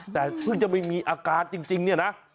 แต่เพิ่งจะไม่มีอาการจริงเนี่ยนะ